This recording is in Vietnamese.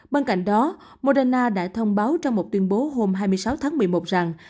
bên cạnh đó moderna đã thông báo cho một tuyên bố hôm hai mươi sáu tháng một mươi một rằng